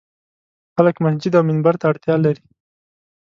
خلک مسجد او منبر ته اړتیا لري.